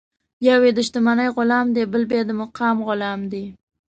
یو یې د شتمنۍ غلام دی، بل بیا د مقام غلام دی.